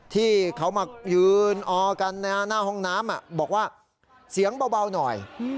ที่เขามายืนออกันหน้าห้องน้ำบอกว่าเสียงเบาหน่อย